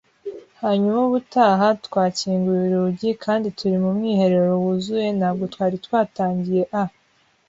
hanyuma ubutaha twakinguye urugi kandi turi mu mwiherero wuzuye. Ntabwo twari twatangiye a